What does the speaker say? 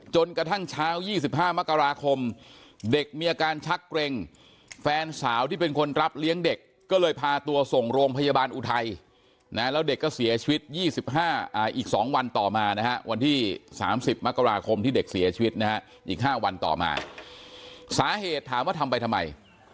จนกระทั่งเช้า๒๕มกราคมเด็กมีอาการชักเกร็งแฟนสาวที่เป็นคนรับเลี้ยงเด็กก็เลยพาตัวส่งโรงพยาบาลอุทัยนะแล้วเด็กก็เสียชีวิต๒๕อีก๒วันต่อมานะฮะวันที่๓๐มกราคมที่เด็กเสียชีวิตนะฮะอีก๕วันต่อมาสาเหตุถามว่าทำไปทำไม